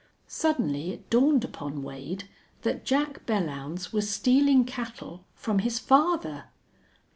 Suddenly it dawned upon Wade that Jack Belllounds was stealing cattle from his father.